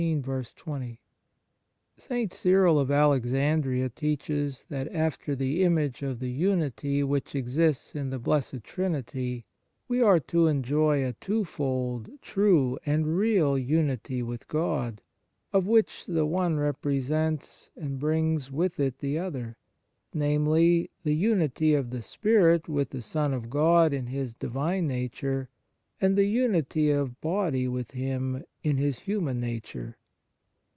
76 ON THE SUBLIME UNION WITH GOD St. Cyril of Alexandria teaches that after the image of the unity which exists in the Blessed Trinity we are to enjoy a twofold, true, and real unity with God, of which the one represents and brings with it the other namely, the unity of the spirit with the Son of God in His Divine Nature, and the unity of body with Him in His human nature.